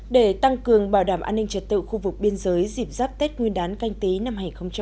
để tăng cường bảo đảm an ninh trật tự khu vực biên giới dịp giáp tết nguyên đán canh tí năm hai nghìn hai mươi